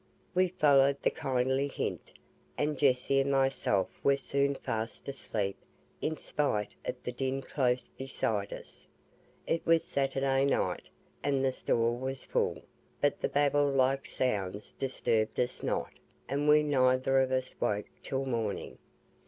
We followed the kindly hint, and Jessie and myself were soon fast asleep in spite of the din close beside us. It was Saturday night, and the store was full; but the Babel like sounds disturbed us not, and we neither of us woke till morning.